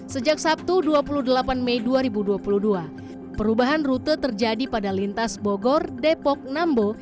sejak sabtu dua puluh delapan mei dua ribu dua puluh dua perubahan rute terjadi pada lintas bogor depok nambo